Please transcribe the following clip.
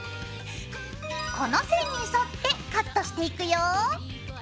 この線に沿ってカットしていくよ。